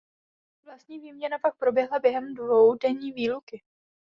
Vlastní výměna pak proběhla během dvoudenní výluky.